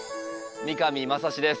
三上真史です。